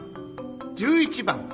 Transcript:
１１番。